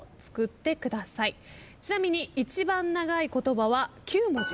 ちなみに一番長い言葉は９文字。